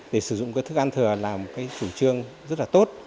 để sử dụng thức ăn thừa là một chủ trương rất tốt